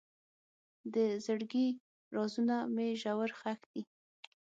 د زړګي رازونه مې ژور ښخ دي.